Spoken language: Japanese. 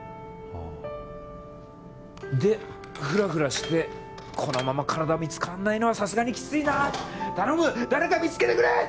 あでフラフラしてこのまま体見つかんないのはさすがにきついな頼む誰か見つけてくれ！